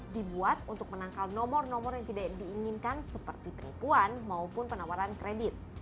dibuat untuk menangkal nomor nomor yang tidak diinginkan seperti penipuan maupun penawaran kredit